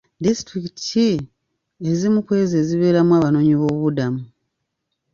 Disitulikiti ki ezimu ku ezo ezibeeramu Abanoonyiboobubudamu?